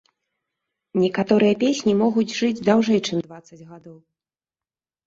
Некаторыя песні могуць жыць даўжэй, чым дваццаць гадоў.